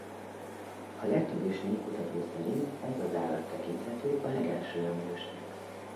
A legtöbb őslénykutató szerint ez az állat tekinthető a legelső emlősnek.